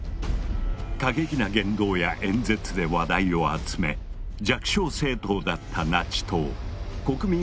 過激な言動や演説で話題を集め弱小政党だったナチ党国民